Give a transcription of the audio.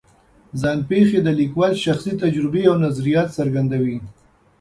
ځان پېښې د لیکوال شخصي تجربې او نظریات څرګندوي.